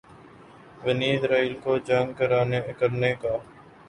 بنی اسرائیل کو جنگ کرنے کا